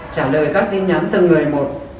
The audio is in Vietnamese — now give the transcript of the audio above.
trả lời các tin nhắn từ người một